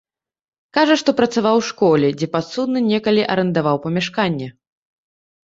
Кажа, што працаваў у школе, дзе падсудны некалі арандаваў памяшканне.